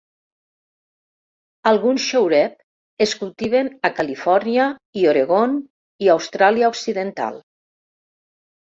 Alguns Scheurebe es cultiven a Califòrnia i Oregon i Austràlia Occidental.